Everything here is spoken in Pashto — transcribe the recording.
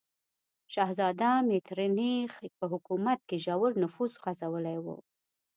شهزاده میترنیخ په حکومت کې ژور نفوذ غځولی و.